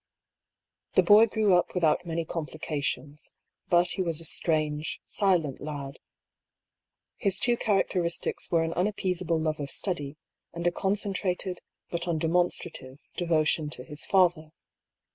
The boy grew up without many complications ; but he was a strange, silent lad. His two characteristics were an unappeasable love of study and a concentrated, but undemonstrative, devotion to his father.